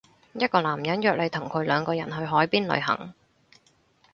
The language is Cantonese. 一個男人約你同佢兩個人去海邊旅行